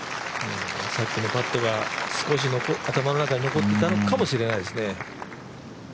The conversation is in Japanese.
さっきのパットが頭の中に少し残ってたかもしれないですね。